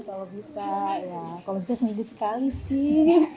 kalau bisa ya kalau bisa seminggu sekali sih